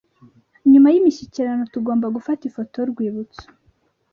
nyuma y’imishyikirano tugomba gufata ifoto yu rwibutso